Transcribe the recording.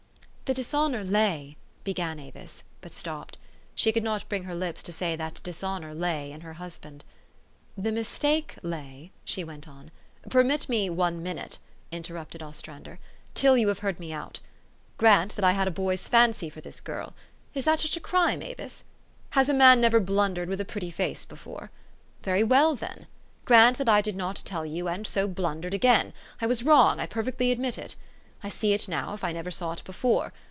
"The dishonor la}'," began Avis, but stopped. She could not bring her lips to say that dishonor lay in her husband. " The mistake lay," she went on. " Permit me one minute," interrupted Ostrander, " till 3'ou have heard me out. Grant that I had a bo3 r 's fancy for this girl: is that such a crime, Avis? Has a man never blundered with a pretty face before ? Very well, then. Grant that I did not tell 3'ou, and so blundered again. I was wrong : I perfectly admit it. I see it now, if I never saw it before.